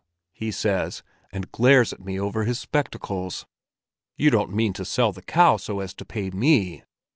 he says, and glares at me over his spectacles. 'You don't mean to sell the cow so as to pay me?